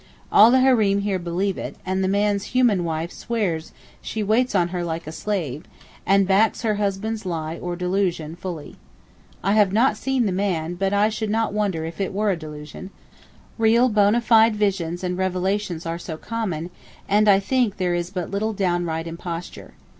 All the Hareem here believe it, and the man's human wife swears she waits on her like a slave, and backs her husband's lie or delusion fully. I have not seen the man, but I should not wonder if it were a delusion—real bona fide visions and revelations are so common, and I think there is but little downright imposture.